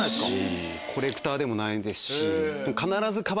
コレクターでもないですし。